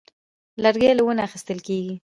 لرګی له ونو اخیستل کېږي.